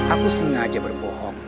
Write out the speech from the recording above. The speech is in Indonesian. aku sengaja berbohong